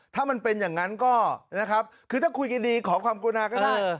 ถ้ามันเป็นอย่างนั้นก็นะครับคือถ้าคุยกันดีขอความกรุณาก็ได้